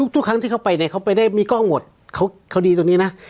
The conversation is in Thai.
ทุกครั้งที่เขาไปเนี่ยเขาไปได้มีกล้องหมดเขาดีตรงนี้นะ